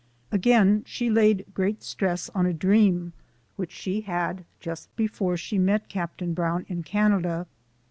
"Again, she. laid great stress on a dream which she had just before she met Captain Brown in Can ada.